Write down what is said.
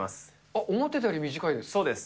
あっ、思ってたより短いです。